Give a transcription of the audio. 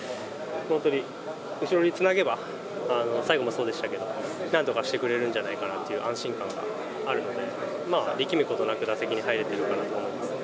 本当に、後ろにつなげば、最後もそうでしたけど、なんとかしてくれるんじゃないかなという安心感があるので、力むことなく打席に入れてるかなと思います。